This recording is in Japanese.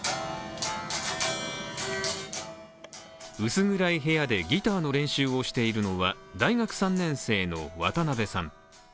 薄暗い部屋でギターの練習をしているのは大学３年生の渡辺さん。